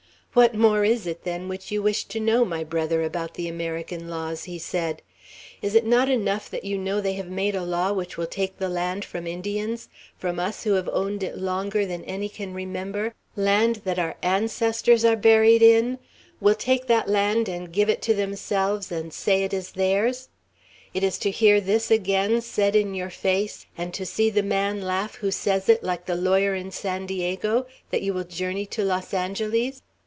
"What more is it, then, which you wish to know, my brother, about the American laws?" he said. "Is it not enough that you know they have made a law which will take the land from Indians; from us who have owned it longer than any can remember; land that our ancestors are buried in, will take that land and give it to themselves, and say it is theirs? Is it to hear this again said in your face, and to see the man laugh who says it, like the lawyer in San Diego, that you will journey to Los Angeles?